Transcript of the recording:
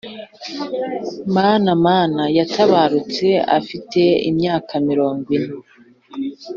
mana mana yatabarutse afite imyaka mirongo ine